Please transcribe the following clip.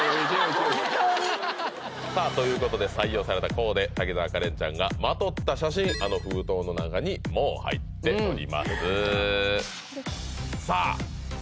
違いますさあということで採用されたコーデ滝沢カレンちゃんがまとった写真あの封筒の中にもう入っております